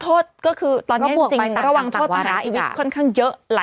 โทษก็คือตอนนี้จริงระวังโทษประหารชีวิตค่อนข้างเยอะ